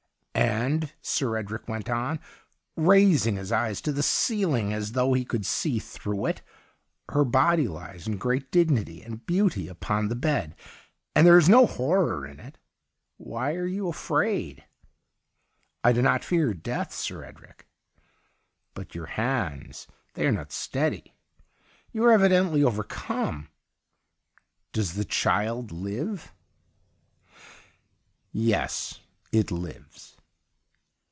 ' And,' Sir Edric went on, raising his eyes to the ceiling as though he 114 THE UNDYING THING could see through it, ' her body lies in great dignity and beauty upon the bed, and there is no horror in it. Why are you afraid ?'' I do not fear death. Sir Edrie.' ' But your hands — they are not steady. You are evidently over come. Does the child live }'' Yes, it lives.'